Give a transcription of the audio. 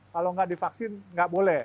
kalau nggak divaksin nggak boleh